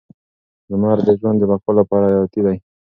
لمر د ژوند د بقا لپاره حیاتي دی.